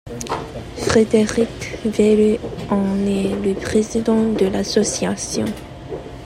Frédéric Vélu en est le Président de l'association.